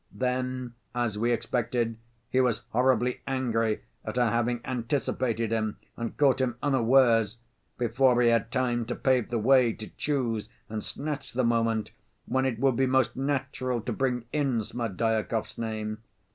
Then, as we expected, he was horribly angry at our having anticipated him and caught him unawares, before he had time to pave the way to choose and snatch the moment when it would be most natural to bring in Smerdyakov's name.